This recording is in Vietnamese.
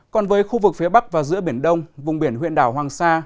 còn với khu vực phía bắc và giữa biển đông vùng biển huyện đảo hoàng sa